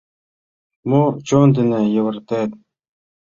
Мо чон дене йывыртен